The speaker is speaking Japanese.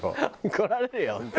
怒られるよ本当。